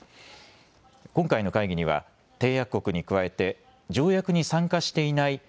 今回の会議には締約国に加えて条約に参加していないＮＡＴＯ